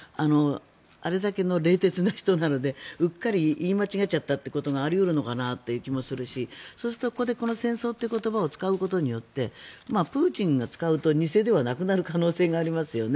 あれだけの冷徹な人なのでうっかり言い間違えちゃったってことがあり得るのかなという気もするしそうすると、ここでこの戦争という言葉を使うことによってプーチンが使うと偽ではなくなる可能性がありますよね。